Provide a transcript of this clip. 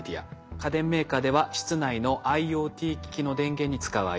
家電メーカーでは室内のＩｏＴ機器の電源に使うアイデア。